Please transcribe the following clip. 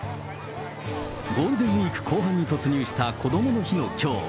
ゴールデンウィーク後半に突入したこどもの日のきょう。